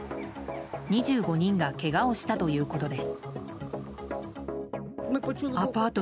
２５人がけがをしたということです。